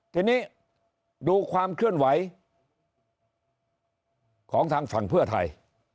ทีนี้ดูความเคลื่อนไหวของทางฝั่งเพื่อไทย